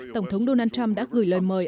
tổng thống donald trump đã gửi lời mời